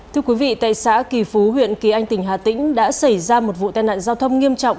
thưa quý vị tại xã kỳ phú huyện kỳ anh tỉnh hà tĩnh đã xảy ra một vụ tai nạn giao thông nghiêm trọng